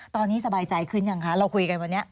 ตอนนี้สบายใจขึ้นยังคะเราคุยกันวันนี้